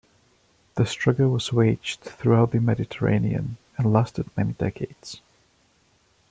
This struggle was waged throughout the Mediterranean and lasted many decades.